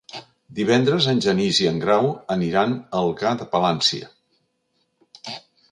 Divendres en Genís i en Grau aniran a Algar de Palància.